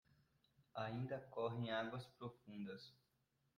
Ainda correm águas profundas